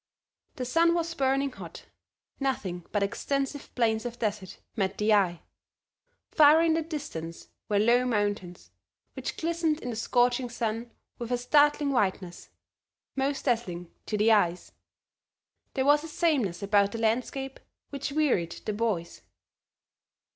The sun was burning hot; nothing but extensive plains of desert met the eye; far in the distance were low mountains, which glistened in the scorching sun with a startling whiteness, most dazzling to the eyes. There was a sameness about the landscape which wearied the boys.